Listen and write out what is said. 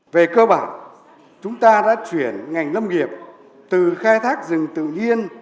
về cơ bản chúng ta đã chuyển ngành lâm nghiệp từ khai thác rừng tự nhiên